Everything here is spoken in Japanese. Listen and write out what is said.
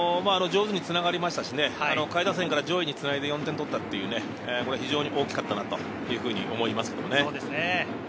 上手につながりましたし、下位から上位に繋いで４点取ったという、非常に大きかったなと思いますね。